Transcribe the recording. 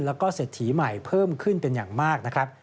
แล้วก็เศรษฐีใหม่เพิ่มขึ้นเป็นอย่างมากนะครับ